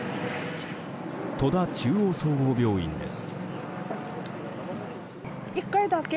戸田中央総合病院です。